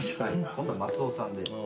今度はマスオさんで。